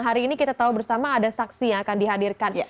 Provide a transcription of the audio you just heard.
hari ini kita tahu bersama ada saksi yang akan dihadirkan